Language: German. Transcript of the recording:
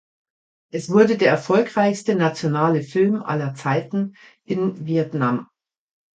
Es wurde der erfolgreichste nationale Film aller Zeiten in Vietnam.